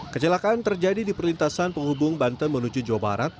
kecelakaan terjadi di perlintasan penghubung banten menuju jawa barat